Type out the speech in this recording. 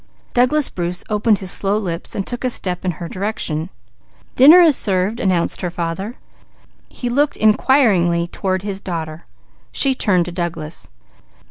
Douglas Bruce opened his slow lips, taking a step in her direction. "Dinner is served," announced her father. He looked inquiringly toward his daughter. She turned to Douglas.